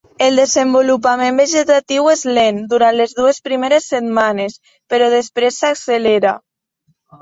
El desenvolupament vegetatiu és lent durant les dues primeres setmanes, però després s'accelera.